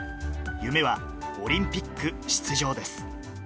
夢はオリンピック出場です。